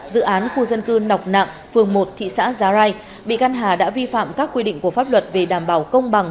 dự án khu dân cư nọc nạng phường một thị xã giá rai bị căn hà đã vi phạm các quy định của pháp luật về đảm bảo công bằng